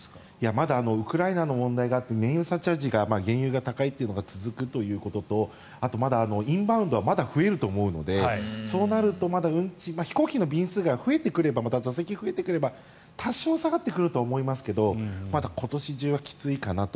まだウクライナの問題があって燃油サーチャージが燃油が高いというのが続くということとあとはインバウンドはまだ増えると思うのでそうなるとまだ飛行機の便数が増えてくればまた座席が増えてくれば多少下がってくると思いますがまだ今年中はきついかなと。